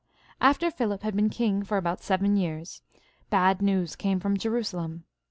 After Philip had been king for about seven years, bad news came from Jerusalem.